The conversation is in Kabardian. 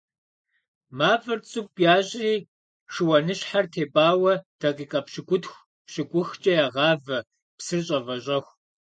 Мафӏэр цӏыкӏу ящӏри шыуаныщхьэр тепӏауэ дакъикъэ пщыкӏутху - пщыкӏухкӏэ ягъавэ псыр щӏэвэщӏэху.